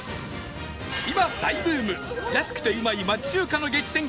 今大ブーム安くてうまい町中華の激戦区鎌倉で